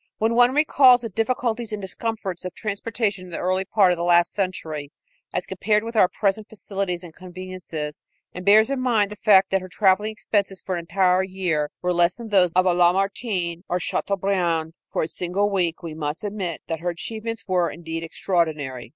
When one recalls the difficulties and discomforts of transportation in the early part of the last century, as compared with our present facilities and conveniences, and bears in mind the fact that her traveling expenses for an entire year were less than those of a Lamartine or a Chateaubriand for a single week, we must admit that her achievements were, indeed, extraordinary.